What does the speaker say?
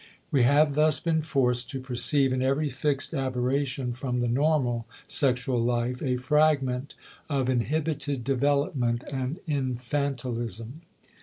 We have thus been forced to perceive in every fixed aberration from the normal sexual life a fragment of inhibited development and infantilism.